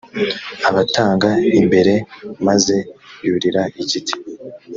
abatanga imbere maze yurira igiti